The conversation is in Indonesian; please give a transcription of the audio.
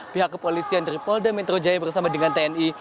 pihak kepolisian dari polda metro jaya bersama dengan tni